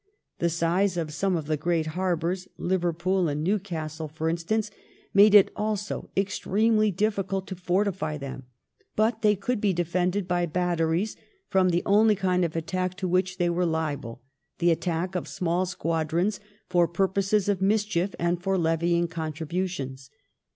The size of some of the great harbours, Liverpool and New • July 23rd, 1860. JSOME JLFFAUtS. 209 oastle for instance, made it also extremely difficult to fortify them, but they could be defended by batteries from the only kind of attack to which they were liable — the attack of small squadrons for purposes of mis* chief and for levying contributions.